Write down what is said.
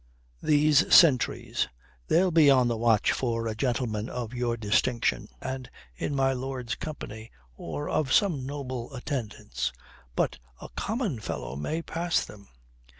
These sentries, they'll be on the watch for a gentleman of your distinction and in my lord's company or of some noble attendance. But a common fellow may pass them.